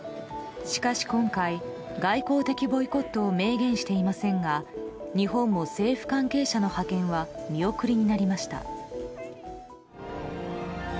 しかし今回外交的ボイコットを明言していませんが日本も政府関係者の派遣は見送りになりました。